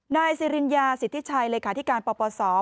นายศิริญญาสิทธิชัยลัยขาที่การปปสบอกว่า